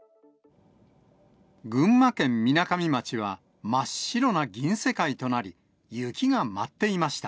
群馬県みなかみ町は、真っ白な銀世界となり、雪が舞っていました。